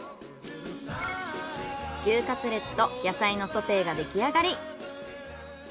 牛カツレツと野菜のソテーができあがり。